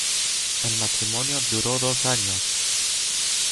El matrimonio duró dos años.